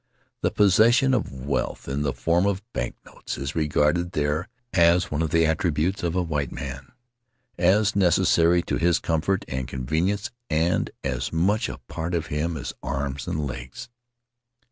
The possession of wealth in the form of bank notes is regarded there as one of the attributes of a white man, as necessary to his comfort and convenience and as much a part of him as arms and legs.